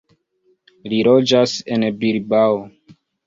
Li loĝas en Bilbao.